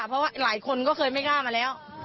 เพราะว่าหลายคนก็เคยไม่กล้ามาแล้ว